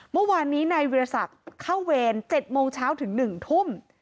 เมื่อวานนี้นายวิทยาศักดิ์เข้าเวร๗โมงเช้าถึง๑ทุ่ม